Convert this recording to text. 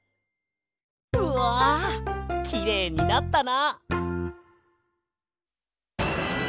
うわきれいになったな！